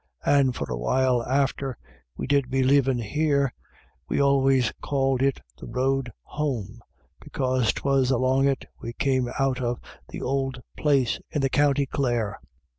And for a while after we did be livin' here, we always called it the road home, because 'twas along it we came out of th'ould place in the county Clare.